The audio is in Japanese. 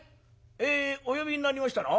えお呼びになりましたのは？」。